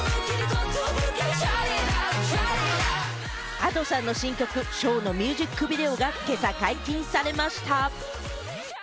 Ａｄｏさんの新曲『唱』のミュージックビデオが今朝、解禁されました。